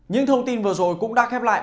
những thông tin vừa rồi cũng đã khép lại